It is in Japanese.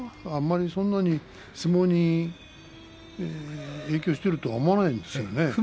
そんなに相撲に影響していると思わないですよね。